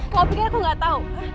kalau begini aku gak tau